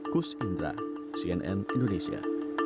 kus indra cnn indonesia